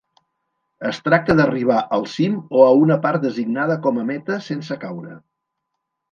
Es tracta d'arribar al cim o a una part designada com a meta sense caure.